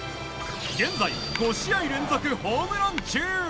現在５試合連続ホームラン中！